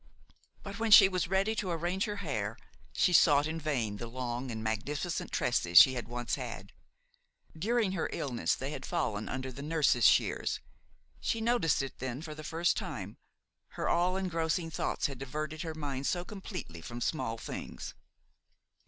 But, when she was ready to arrange her hair, she sought in vain the long and magnificent tresses she had once had; during her illness they had fallen under the nurse's shears. She noticed it then for the first time, her all engrossing thoughts had diverted her mind so completely from small things.